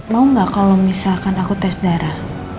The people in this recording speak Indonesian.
mau nggak kalau misalkan aku tes darah